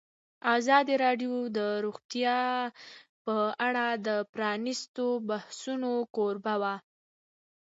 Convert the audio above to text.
ازادي راډیو د روغتیا په اړه د پرانیستو بحثونو کوربه وه.